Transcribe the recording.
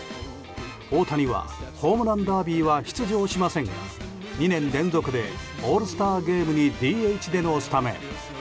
大谷はホームランダービーは出場しませんが２年連続でオールスターゲームにＤＨでのスタメン。